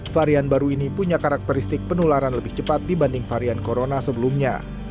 varian baru ini punya karakteristik penularan lebih cepat dibanding varian corona sebelumnya